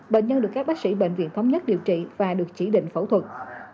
bệnh nhân được các bác sĩ bệnh viện thống nhất điều trị và được chỉ định phẫu thuật